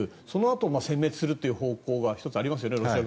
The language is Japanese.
そのあと、せん滅するという方向は１つありますよね。